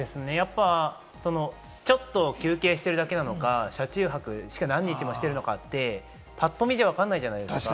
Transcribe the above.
ちょっと休憩してるだけなのか、車中泊を何日もしてたのかって、パッと見じゃわからないじゃないですか。